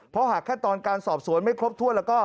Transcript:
เพราะหากขั้นตอนการสอบสวนไม่ครบถ้วนแล้วก็